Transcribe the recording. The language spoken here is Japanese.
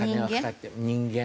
人間？